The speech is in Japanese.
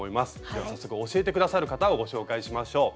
では早速教えて下さる方をご紹介しましょう。